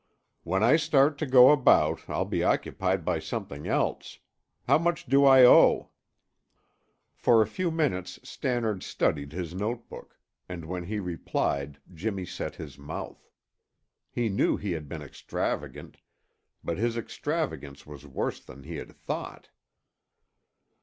"When I start to go about, I'll be occupied by something else. How much do I owe?" For a few minutes Stannard studied his note book, and when he replied Jimmy set his mouth. He knew he had been extravagant, but his extravagance was worse than he had thought.